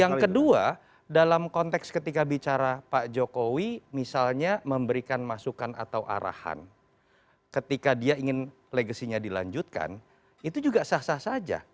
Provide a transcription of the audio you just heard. yang kedua dalam konteks ketika bicara pak jokowi misalnya memberikan masukan atau arahan ketika dia ingin legasinya dilanjutkan itu juga sah sah saja